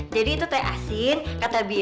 jadi itu teh asin kata biraya di sini